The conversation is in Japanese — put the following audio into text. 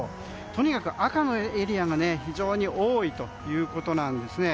とにかく赤のエリアが非常に多いということです。